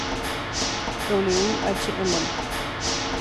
W. H. Emory.